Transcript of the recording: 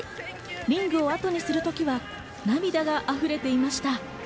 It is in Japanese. リングを後にする時には涙が溢れていました。